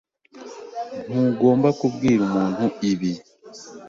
Ntugomba kubwira umuntu ibi